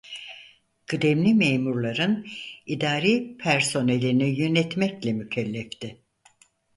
Kıdemli memurların idari personelini yönetmekle mükellefti.